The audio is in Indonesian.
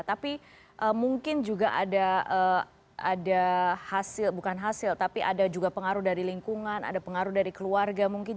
tapi mungkin juga ada hasil bukan hasil tapi ada juga pengaruh dari lingkungan ada pengaruh dari keluarga mungkin